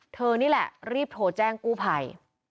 นี่แหละรีบโทรแจ้งกู้ภัย